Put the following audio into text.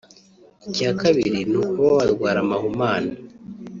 Icya kabiri ni ukuba warwara amahumane